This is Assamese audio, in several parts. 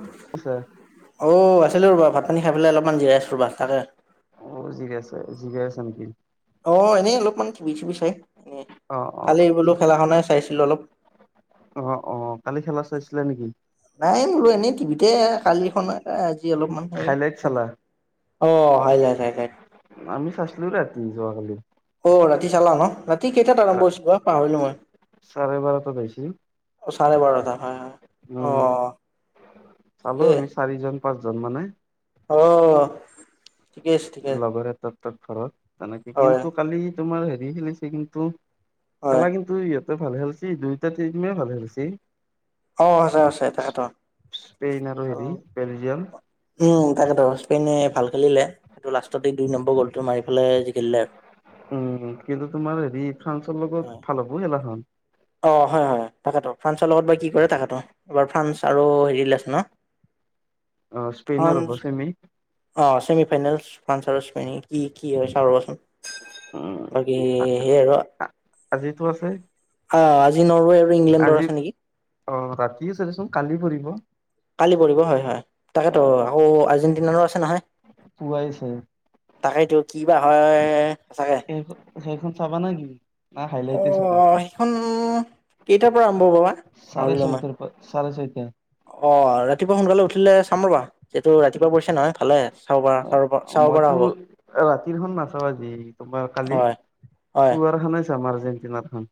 ছাৰ অ, আছিলো ৰবা ভাত পানী খাই পেলাই অলপমান জিৰাই আছো ৰ'বা তাতে অ, জিগে আছে জিগে আছে নেকি? অ, এনে অলপমান [inaudible] চাই এনে। অ অ কালি এই বোলো, খেলাখনে চাইছিলো অলপ। অ, কালি খেলা চাইছিলে নেকি? নাই বোলো, এনেই টিভিতে কালিখন আজি অলপমান হেৰি হাইলাইট চালা অ, হয় হ আমি [unintelligible] অ, ৰাতি চালা ন, ৰাতি কেইটাত আৰম্ভ হৈছিলো অ, পাহৰিলো মই। অ, চাৰে বাৰটাত আহিছিল চাৰে বাৰটা হয়, হয়। অ' উম, চালো ঠিকেই আমি চাৰিজন-পাঁচজন মানে। অ, ঠিকে আছে ঠিকে আছে লগৰে তত-তত ঘৰত, তেনেকে হয় কিন্তু কালি তোমাৰ হেৰি খেলিছে কিন্ত হয় খেলা কিন্তু ইহঁতে ভালে খেলছি, দুইটা টিমে ভাল খেলছি। অ, আছে, আছে তেখেতৰ। স্পেইন হেৰি আৰু বেলজিয়াম উম, তাকে ত, স্পেনে ভাল খেলিলে, সেইটো লাষ্টতে দুই নম্বৰ গ'লটো মাৰি পেলে জিকেলিলে আৰু উম, কিন্তু তোমাৰ হেৰি ফ্ৰান্সৰ লগত হয় ভাল হ'ব খেলাখন অ, হয়, হয়, তাকেতটো ফ্ৰান্সৰ লগত বা কি কৰে তাকেটো এইবাৰ ফ্ৰান্স আৰু হেৰি লে আছে ন অ, স্পেইনৰ ফ্ৰান্স হ'ব, চেমি অ, চেমি ফাইনেলচ [inaudible] কি কি নো‌ হয়, চাও ৰহচোন। উম তাকে [unintelligible] আ- আজিতো আছে? অ, আজি নৰৱে আৰু ইংলেণ্ডৰ আজি আছে নেকি। অ, ৰাতিয়ে আছে দেচোন‌ কালি পৰিব। কালি পৰিব হয় হয়, অ তাকেতো আকৌ আৰ্জেণ্টিনাৰো আছে নহয়। পোৱাইছে? তাকেইতো কি বা হয় চাগে? সেই-সেইখন চাবা নাই নেকি? অ, সেইখন কেইটাৰ পৰা আৰম্ভ হ'ব বা? চাৰে পাহৰিলো মই চৈতা পৰা, চাৰে চৈতা। অ, ৰাতিপুৱা সোনকালে উঠিলে চাম ৰ'বা? এইটো ৰাতিপুৱা পৰিছে নহয় ভালে চাব অ, পৰা চ চাব পৰা মইতো হ'ব? ৰাতিৰখন নাচাওঁ আজি তোমাৰ কালি হয় হয় পুৱাৰ খানা চামাৰ আৰ্জেন্টিনাৰ খান?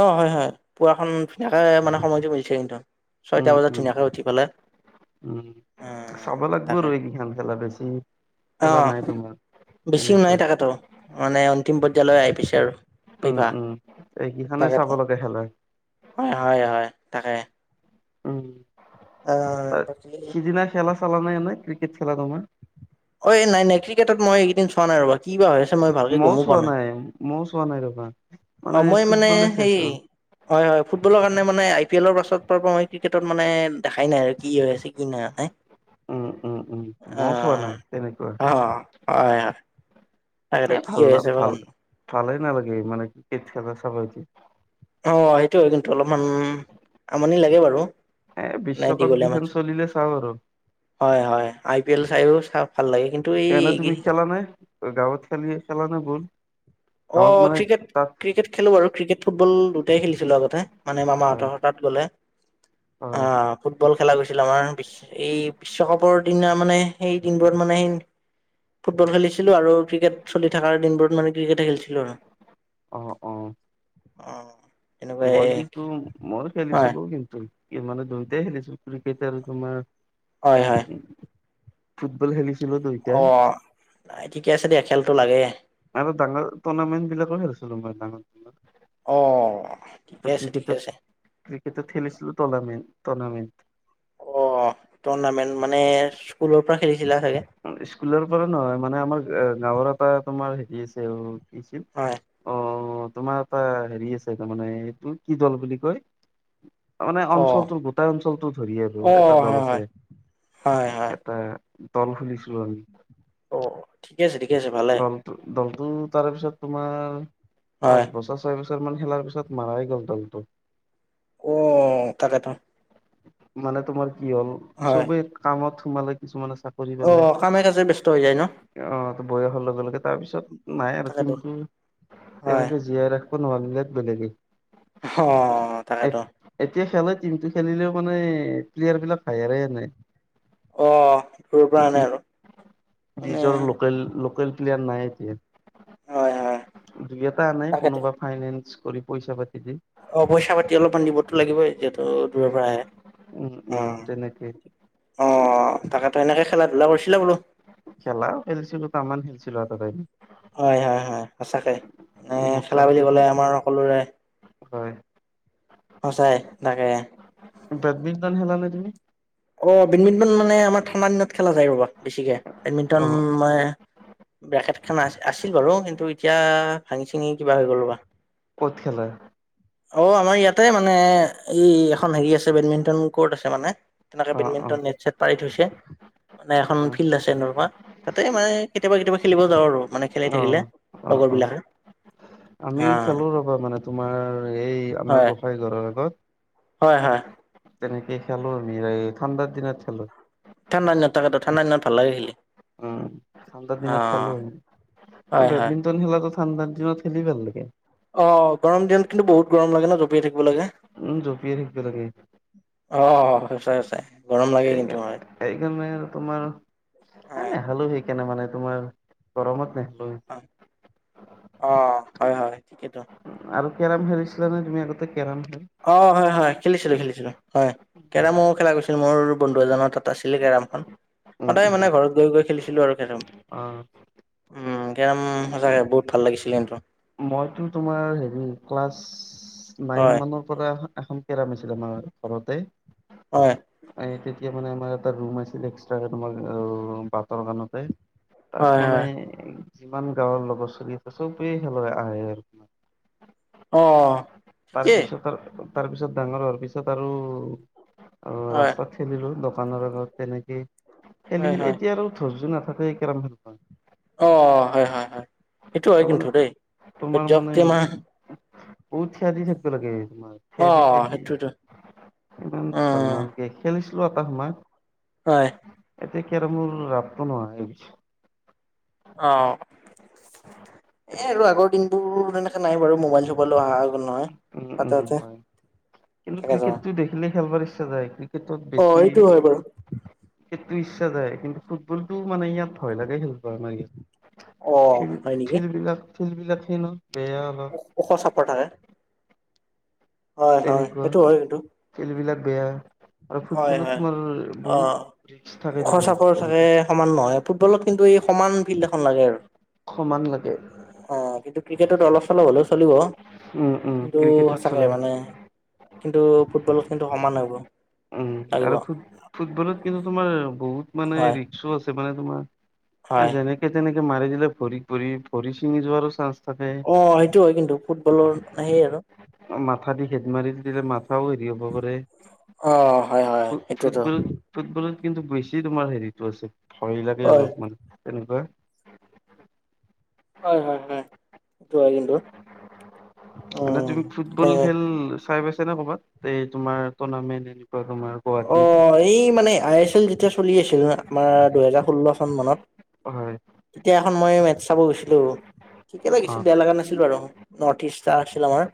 অঁ, হয়, হয়, পুৱাখন ধুনীয়াকে মানে সময়টো মিলিছে কিন্তু ছয়টা উম বজাত উম ধুনীয়াকে উঠি পেলায় উম চাব লাগব ৰ এই কেখন খেলা বেছি খেলা অঁ নাই তোমাৰ বেছিও নাই তেনেকুৱা তাকাতো মানে অন্তিম পৰ্যায়ালৈ আহি পাইছে আৰু ফিফা এই কিখনে চাব লাগে খেলাৰ হয় হয় হয় তাকে উম অ', তাত বাকী সিদিনা খেলা চালা নাই নাই ক্ৰিকেট খেলাতো আমাৰ অঁ এই নাই নাই ক্ৰিকেটত মই এইকেইদিন চোৱা নাই ৰ'বা কি বা হৈ আছে মই ভালকে মইও গমো পোৱা চোৱা নাই মইও চোৱা নাই ৰবা। অঁ মই মানে ফুটবলে সেই চাইছো হয় হয় ফুটবলৰ কাৰণে মানে আই পি এলৰ পাছত পৰা মই ক্ৰিকেটত মানে দেখাই নাই আৰু কি হৈ আছে কি নাই উম উম উম মও চোৱা নাই তেনেকুৱা অঁ হয় হয় তাকেতো এ কি ভাল হৈ না আছে বা ভাল গম ভালেই নালাগে মানে ক্ৰিকেট খেলা চাব আহিছোঁ অঁ সেইটো হয় কিন্তু অলপমান আমনি লাগে বাৰু এ মানে বিশ্বকাপ দীঘলীয়া কিখেল মেটছ চলিলে চোৱা বাৰু হয় হয় আই পি এল চাইও চা ভাল লাগে কিন্তু এ নাই এই তুমি খেলা নাই গাঁৱত খেলি খেলা নাই বহুত অঁ, ক্ৰিকেট ক্ৰিকেট খেলো বাৰু ক্ৰিকেট, ফুটবল দুটাই খেলিছিলো আগতে মানে হয় মামাহঁতৰ তাত গ'লে হয় অঁ ফুটবল খেলা গৈছিল আমাৰ বিশ এই বিশ্বকাপৰ দিনা মানে সেই দিনবোৰত মানে ফুটবল খেলিছিলোঁ আৰু ক্ৰিকেট চলি থকাৰ দিনবোৰত মানে ক্ৰিকেটে খেলিছিলোঁ আৰু অঁ অঁ অহ মই কিন্তু মই খেলিছিলো কিন্তু মানে দুইটাই খেলিছিলো ক্ৰিকেট আৰু তোমাৰ হয়, হয় উম ফুটবল খেলিছিলো দুই অঁ ঠিকে আছে দিয়া খেলটো লাগে আৰু ডাঙৰ টুৰ্ণামেণ্ট বিলাকো খেলিছিলো মই ডাঙৰ অঁ ক্ৰিকেটত ক্ৰিকেটত খেলিছিলো টৰ্নামি টৰ্নামিণ্ট অঁ, টুৰ্ণামেণ্ট মানে স্কুলৰ পৰা খেলিছিলা চাগে স্কুলৰ পৰা নহয় মানে আমাৰ গাঁৱৰ পৰা তোমাৰ শিকিছে অঁ শিকিল হয় অঁ তোমাৰ এটা হেৰি আছে তাৰমানে এইটো কি দল বুলি কয় তাৰ মানে অ', অঞ্চলটোৰ গোটাই অঞ্চলটো ধৰি আছোঁ আৰু এটা অ', দল হয়, হয়, আছে হয়, হয়, এটা দল খুলিছিলো আমি অ ঠিকে আছে ঠিকে আছে ভালে দলটো দলটো তাৰে পিছত তোমাৰ হয়। পাঁচ বছৰ? চয় বছৰ মান খেলাৰ পিছত মাৰাই গ'ল দলটো অঁ তাকে তো মানে তোমাৰ কি হ'ল। হয়, চবেই কামত সোমালে কিছুমানে চাকৰি অ পালে কামে কাজে ব্যস্ ত হৈ যায় ন। অ ত' বয়সৰ লগে লগে তাৰপিছত নাই আৰু তাকেতো। টীমটো হয়, তেওঁলোকে জীয়াই ৰাখিব নোৱাৰিলে বেলেগেই অ', তাকেত এতিয়া খেলে টিমটো খেলিলেও মানে প্লেয়াৰ বিলাক হায়াৰে আনে অ', দূৰৰ পৰা উম আনে আৰু উম মানে নিজৰ লোকেল লোকেল প্লেয়াৰ নাই এতিয়া। হয়, হয়, দুই এটা আনে তাকেতো কোনোবা ফাইনেন্স কৰি পইচা পাতি দি। অ', পইচা পাতি অলপমান দিবতো লাগিবই, যিহেতু দূৰৰ পৰা আহে। উম। অ', তাকেতো এনেকে খেলা ধূলা কৰিছিলা বোলো। খেলাও খেলছিলো তামাম খেলিছিলো এটা টাইমত। হয়-হয়-হয় সচাকে। মানে খেলা মোটামুটি বুলি তুম ক'লে আমাৰ সকলোৰে হয়। সঁচাই তাকে। বেডমিণ্টন খেলা নে তুমি? অ', বেডমিণ্টন মানে আমাৰ ঠাণ্ডা দিনত খেলা যায় ৰ'বা বেছিকে। বেডমিণ্টন অ মানে বেকেট খান আছি আছিল বাৰু কিন্তু এতিয়া ভাঙি চিঙি কিবা হৈ গ'ল ৰ'বা। ক'ত খেলে? অ আমাৰ ইয়াতে মানে, এই এখন হেৰি আছে বেডমিণ্টন কোৰ্ট আছে মানে। তেনেকে অ অ বেডমিণ্টন নেট- ছেট পাৰি থৈছে মানে এখন অ ফিল্ড আছে নৈ পাৰত তাতে মানে কেতিয়াবা কেতিয়াবা খেলিব যাওঁ আৰু মানে। খেলি অ থাকিলে অ অ লগৰবিলাক। আমিও খেলো ৰবা মানে তোমাৰ, এই আমাৰ হয় গোঁসাই ঘৰৰ আগত। হয় হয় তেনেকে খেলো মিলাই এই ঠাণ্ডাৰ দিনত খেলো। ঠাণ্ডা দিনত তাকেটো, ঠাণ্ডা দিনত ভাল লাগে খেলি। উম ঠাণ্ডাৰ অ দিনত খেলো। এ হয় হয় বেডমিণ্টন খেলাটো ঠাণ্ডাৰ দিনত খেলি ভাল লাগে। অ', গৰম দিনত কিন্তু বহুত গৰম লাগে ন, জঁপিয়াই থাকিব লাগে। উম জঁপিয়াই থাকিব লাগে। অ', সঁচাই সঁচাই। গৰম লাগে কিন্তু হয় সেইকাৰণে, সেইকাৰণে আৰু তোমাৰ নাই হয় নাই হলোঁ সিক কেনে মানে তোমাৰ গৰমত নেখলোঁ। হয় অ', হয়-হয় ঠিকেইটো। আৰু কেৰেম খেলিছিলা নে, তুমি আগতে কেৰেম খেল অ হয়-হয় খেলিছিলোঁ, খেলিছিলোঁ হয়। কেৰমো খেলা গৈছিল মোৰ বন্ধু এজনৰ তাত আছিলে কেৰমখন। উম সদায় উম মানে ঘৰত গৈ গৈ খেলিছিলো আৰু কেৰম। অ', উম, কেৰম সঁচাকৈ বহুত ভাল লাগিছিলে সেইটো। মইতো তোমাৰ হেৰি, ক্লাছ নাইন হয় মানত। পৰা এখন কেৰম আছিলে আমাৰ ঘৰতে। হয়। এই তেতিয়া মানে আমাৰ এটা ৰুম আছিল, এক্সট্ৰাকে তোমাৰ বাটৰ কানতে। হয় তাত মানে হয় যিমান গাঁৱৰ লগৰ চলি আছে চবেই খেলব আহে আৰু। অ', তাৰ ঠিকেই পিছত তাৰ পিছত ডাঙৰ হোৱাৰ পিছত আৰু অ হয় ৰাস্তাত খেলিলো দোকানৰ আগ তেনেকেই হয় খেলি-খেলি হয় এতিয়া আৰু ধৈৰ্য নাথাকে কেৰম খেলা। অ হয় হয় হয়! সেইটো হয় তাৰমানে কিন্তু দেই তোমাৰ মানে জক্তি মাহ বহুত থিয়া দি থাকবা লাগে! তোমাৰ অ থিয় দি থিয় দি সেইটোতো ইমান ভাল উম নালাগে খেলিছিলো এটা সময়ত হয়! এতিয়া কেৰেমৰ ৰাপটো নোহাৱা হৈ গৈছি! অ এ আৰু আগৰ দিনবোৰ তেনেকে নাই বাৰু মোবাইল চোবাইলো অহা নহয় উম পাতে উম উতে হয় কিন্তু তাকে যাৱা ক্ৰিকেটটো দেখিলে খেলবাৰ ইচ্ছা যায় ক্ৰিকেটতো এইটো হয় বাৰু বেছি সেইটো ইচ্ছা যায় কিন্তু ফুটবলটো মানে ইয়াত ভয় লাগে খেলবা আমাৰ ইয়াত অ ফিল হয় নেকি? ফিল্ড বিলাক ফিল্ড বিলাক সেই ন বেয়া অলপ ওখ চাপৰ থাকে! হয়, হয় সেইটো হয় এইটো খেলবিলাক বেয়া আৰু ফুটবলত হয় তোমাৰ অ। বহুত ৰিক্স ওখ থাকেতো তোমাৰ চাপৰ থাকে তেনেকোৱা সমান নহয় ফুটবলত কিন্তু এই সমান ফিল্ড এখন লাগে আৰু সমান লাগে! অ', কিন্তু ক্ৰিকেটত অলপ চলপ হলেও চলিব উম উম কিন্তু ক্ৰিকেটত চলে সঁচাকে মানে কিন্তু ফুটবলত কিন্তু সমান লাগিব উম, আৰু ফু ফুটবলত কিন্তু তোমাৰ বহুত মানে হয় ৰিক্সো আছে মানে তোমাৰ এ হয় যেনেকে তেনেকে মাৰি দিলে ভৰি পৰি ভৰি চিঙি যোৱাৰো চান্স থাকে অ', সেইটো হয় কিন্তু ফুটবলৰ মানে সেই আৰু মাথা দি খেদ মাৰিল তেতিয়া মাথাও হেৰি হ'ব পাৰে অ হয় হয় থোত সেইটোৱেতো থোতবোৰ ফুটবলত কিন্তু বেছি তোমাৰ হেৰিটো আছে ভয় লাগে হয় অলপমান তেনেকোৱা হয় হয় হয় সেইটো হয় কিন্তু মানে উম তুমি তাকে। ফুটবল খেল চাই পাইছা নে কবাত এই তোমাৰ টুৰ্ণামেন্ট এনেকোৱা তোমাৰ অ গুৱাহাটীত এই মানে আই এছ এল যেতিয়া চলি আছিল ন আমাৰ দুহেজাৰ ষোল্ল চন মানত হয় তেতিয়া এখন মই মেটচ চাব গৈছিলো ঠিকে লাগিছিল অ', বেয়া লগা নাছিল বাৰু নৰ্থ ইষ্টটা আছিল আমাৰ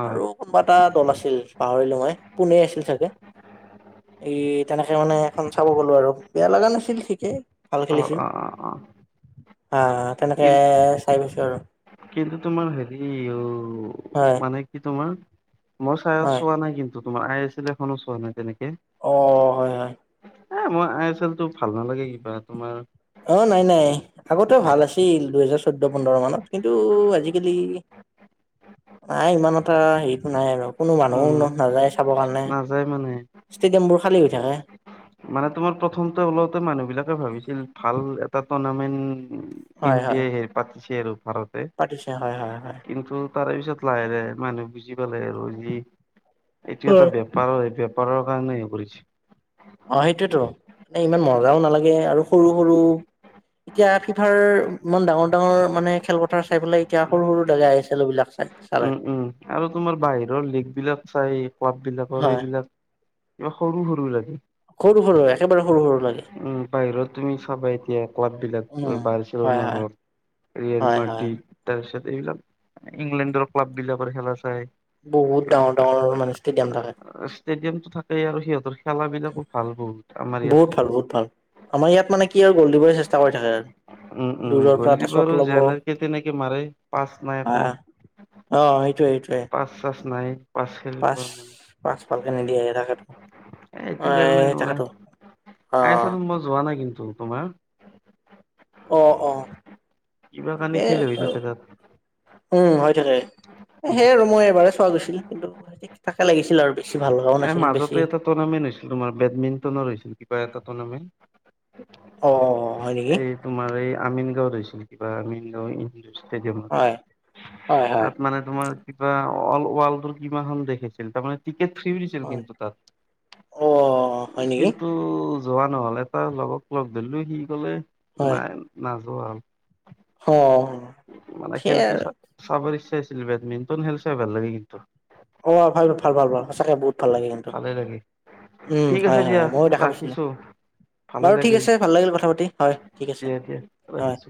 অ', আৰু কোনোবা এটা দল আছিল পাহৰিলো মই পুনে আছিল চাগে এই তেনেকে মানে এখন চাব গলো আৰু বেয়া লগা নাছিল ঠিকেই অ অ অ অ অ তেনেকে কিন চাই পাইছো আৰু কিন্তু তোমাৰ হেৰি অ হয় মানে কি তোমাৰ মই চাই হয় চোৱা নাই কিন্তু তোমাৰ আই এছ এল এখনো চোৱা নাই তেনেকে অ হয় হয়। এ মই আই এছ এল টো ভাল নালাগে কিবা তোমাৰ অ নাই, নাই আগতেও ভাল আছিল দুহেজাৰ চৈধ্য পোন্ধৰ মানত কিন্তু আজি কালি নাই ইমান এটা হেৰিটো নাই আৰু কোনো মানুহো উম, ন নাযায় চাবৰ কাৰণে নাযায় মানে। ষ্টেডিয়ামবোৰ খালী হৈ থাকে মানে তোমাৰ প্ৰথমতে ওলাওঁতে মানুহ বিলাকে ভাবিছিল ভাল এটা টুৰ্ণামেন্ট হয় হয় ইণ্ডিয়াই হেৰি পাতিছে! আৰু ভাৰত পাতিছে! হয়, হয়, হয়! কিন্তু তাৰে পিছত লাহে লাহে মানুহ বুজি পালে! আৰু যি এইটো এটা হয়। বেপাৰৰ হয়! এই বেপাৰৰ কাৰণে হেই কৰিছি! অ', সেইটোয়েতো মানে ইমান মজাও নালাগে! হে আৰু সৰু -সৰু এতিয়া ফিফাৰ ইমান ডাঙৰ ডাঙৰ মানে খেলপথাৰ চাই পেলাই এতিয়া সৰু সৰু জেগা খেল বিলাক চাই। চালে উম, উম আৰু তোমাৰ বাহিৰৰ লীগ বিলাক চাই কোৱাব বিলাকৰ হয় এইবিলাক- কিবা সৰু, সৰু লাগে! সৰু সৰু একেবাৰে সৰু সৰু লাগে। উ বাহিৰত তুমি চাবা এতিয়া ক্লাববিলাক উম বাৰছিল হয় ন হয় ঘৰত- ৰিয়েল হয় হয় মাটি তাৰপিছত এইবিলাক ইংলেণ্ডৰ ক্লাব বিলাকৰ খেলা চায়। বহুত ডাঙৰ ডাঙৰৰ মানে ষ্টেডিয়াম থাকে। ষ্টেডিয়ামটো থাকেই আৰু সিহঁতৰ খেলা বিলাকো ভাল বহুত আমাৰ বহুত ভাল বহুত ভাল ইয়াত- আমাৰ ইয়াত মানে কি আৰু গ'ল দিবলৈ চেষ্টা কৰি থাকে। আৰু উম উম দূৰৰ পৰা এটা গ'লি শ্বট বাৰু ল'ব যেনেকে তেনেকে মাৰে পাছ নাই একো। হয় অ সেইটোৱে সেইটোৱে। পাচ চাছ নাই। পাচেল পাঁচ থকা মানুহ পাঁচ ভালকে নিদিয়ে তাকেতো এইটো এ কাৰণে নাই হোৱা। তাকেতো অ তাৰউচৰলে মই যোৱা নাই কিন্তু তোমাৰ। অ অ কিবা ঠিকে কাৰণে কেলে হৈ বাৰু পেটত - উম হয় থাকে। উম সেৰউ মই এবাৰে চোৱা গৈছিলো কিন্তু সেই থাকে লাগিছিল আৰু বেছি ভাল হাও নাছিল বেছি। টৰ্ণামেণ্ট হৈছিল তোমাৰ বেডমিণ্টনৰ, হৈছিল কিবা এট টণামেণ্ট, অ হয় নেকি? তোমাৰ এই আমিন গাঁওত হৈছিল কিবা আমিন গাঁও ইনডোৰ ষ্টেডিয়ামত। হয় হয় হয় তাত মানে তোমাৰ কিবা অল ৱৰ্ল্ড কিমান খন দেখিছিল তাৰমানে। টিকেট, থ্ৰী দিছিল হয় কিন্তু তাত অ হয় নেকি কিন্তু- টো যোৱা নহ'ল এটা লগক লগ ধৰিলো সি গলে হয় নাই। নাযোৱা আৰু অ মানে সেয়াই খেলটো আৰু চা চাব ইচ্ছা আছিল বেডমিণ্ট খেল চাই ভাল লাগিল। অ ভালাল ভাল ভাল ভাল সঁচাকে বহুত ভাল লাগে সিহঁতক। ভালে লাগে উম ঠিক আছে হয় হয় দিয়া ময়ো দেখা পাইছিলো। ৰাখিছো ভালে বাৰু ঠিক লাগিল আছে ভাল লাগিল কথা পাতি হয় ঠিক আ দিয়া দিয়া হয়। ৰাখিছো